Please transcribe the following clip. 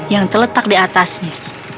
yang terletak di atasnya